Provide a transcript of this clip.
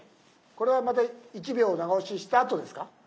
これはまた１秒長押ししたあとですか？